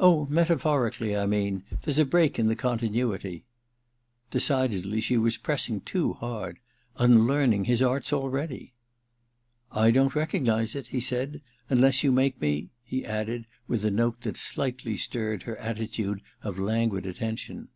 Oh, metaphorically, I mean — ^there's a break in the continuity/ Decidedly, she was pressing too hard: un learning his arts already !* I don't recognize it,' he said. * Unless you make me ' he added, with a note that slightly stirred her attitude of languid attention.